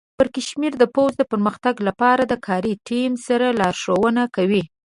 پړکمشر د پوځ د پرمختګ لپاره د کاري ټیم سره لارښوونه کوي.